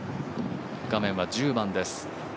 画面は１０番です